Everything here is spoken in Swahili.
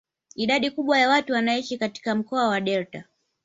Idadi kubwa ya watu wanaishi katika mkoa wa delta.